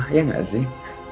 iya gak sih